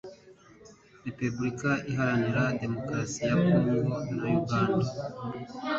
Repubulika Iharanira Demukarasi ya Kongo na Uganda.